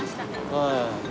はい。